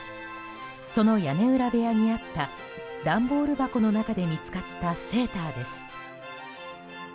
その屋根裏部屋にあった段ボール箱の中で見つかったセーターです。